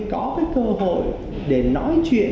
có cơ hội để nói chuyện